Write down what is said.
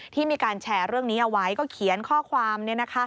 ที่มีการแชร์เรื่องนี้เอาไว้ก็เขียนข้อความ